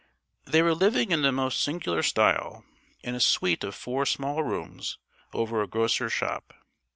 They were living in the most singular style, in a suite of four small rooms, over a grocer's shop.